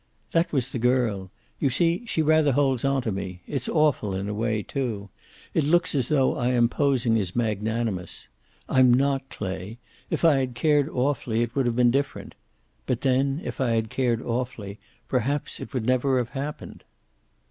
"That was the girl. You see, she rather holds onto me. It's awful in a way, too. It looks as though I am posing as magnanimous. I'm not, Clay. If I had cared awfully it would have been different. But then, if I had cared awfully, perhaps it would never have happened."